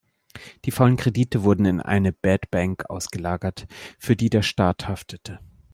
Die faulen Kredite wurden in eine Bad Bank ausgelagert, für die der Staat haftete.